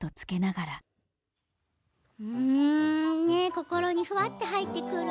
心にふわっと入ってくる。